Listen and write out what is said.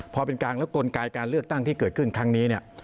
พอเป็นกลางแล้วกลไกการเลือกตั้งที่เกิดขึ้นครั้งนี้เนี่ย